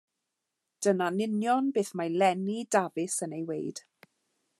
Dyna'n union beth mae Lenni Dafis yn ei wneud.